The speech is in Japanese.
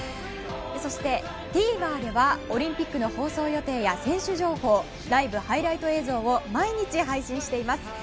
そして、ＴＶｅｒではオリンピックの放送予定や選手情報ライブ、ハイライト映像を毎日配信しています。